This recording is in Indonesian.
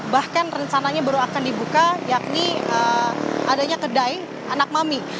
bahkan rencananya baru akan dibuka yakni adanya kedai anak mami